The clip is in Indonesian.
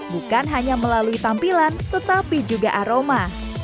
bukan hanya melalui tampilan tetapi juga aroma